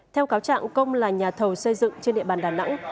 theo cáo trạng công là nhà thầu xây dựng trên địa bàn đà nẵng